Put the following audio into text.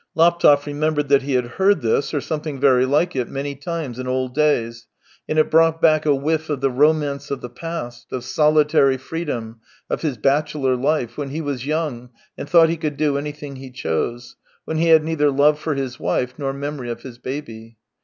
Laptev remembered that he had heard this, or something very like it, many times in old days, and it brought back a whiff of the romance of the past, of solitarj' freedom, of his bachelor life, when he was young and thought he could do any thing he chose, when he had neither love for his wife nor memory of his baby.